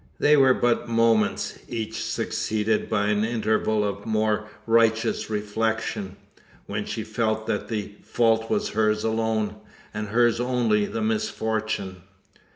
They were but moments; each succeeded by an interval of more righteous reflection, when she felt that the fault was hers alone, as hers only the misfortune.